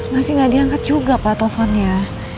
masih gak diangkat juga pak teleponnya